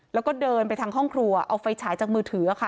แล้วก็เดินไปทางห้องครัวเอาไฟฉายจากมือถือค่ะ